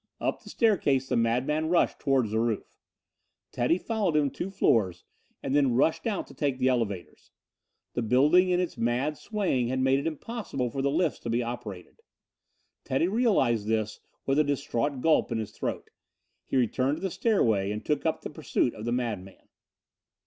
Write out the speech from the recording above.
Up the staircase the madman rushed toward the roof. Teddy followed him two floors and then rushed out to take the elevators. The building in its mad swaying had made it impossible for the lifts to be operated. Teddy realized this with a distraught gulp in his throat. He returned to the stairway and took up the pursuit of the madman.